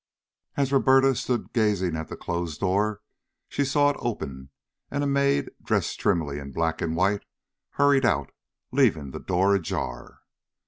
As Roberta stood gazing at the closed door, she saw it open and a maid, dressed trimly in black and white, hurried out, leaving the door ajar.